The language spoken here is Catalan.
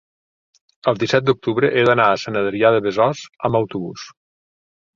el disset d'octubre he d'anar a Sant Adrià de Besòs amb autobús.